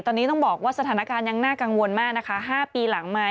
ตอนนี้ต้องบอกว่าสถานการณ์ยังน่ากังวลมากนะคะ๕ปีหลังมา